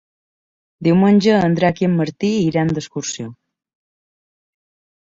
Diumenge en Drac i en Martí iran d'excursió.